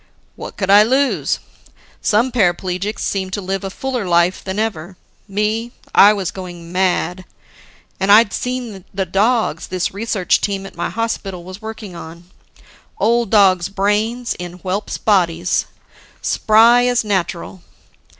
"What could I lose? Some paraplegics seem to live a fuller life than ever. Me, I was going mad. And I'd seen the dogs this research team at my hospital was working on old dogs' brains in whelps' bodies, spry as natural.